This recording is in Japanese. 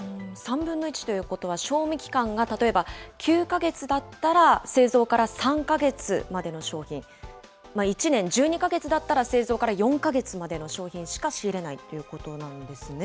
３分の１ということは賞味期間が例えば９か月だったら、製造から３か月までの商品、１年、１２か月だったら製造から４か月までの商品しか仕入れないということなんですね。